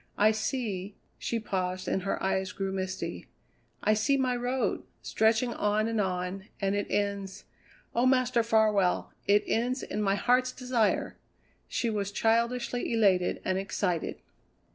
I see" she paused and her eyes grew misty "I see My Road, stretching on and on, and it ends oh, Master Farwell, it ends in my Heart's Desire!" She was childishly elated and excited.